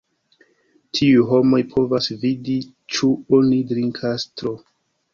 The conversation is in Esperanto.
Tiuj homoj povas vidi ĉu oni drinkas tro.